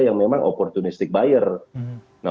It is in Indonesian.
yang memang opportunistic buyer nah